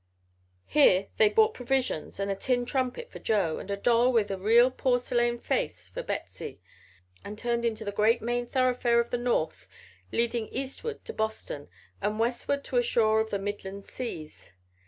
Here they bought provisions and a tin trumpet for Joe, and a doll with a real porcelain face for Betsey, and turned into the great main thoroughfare of the north leading eastward to Boston and westward to a shore of the midland seas.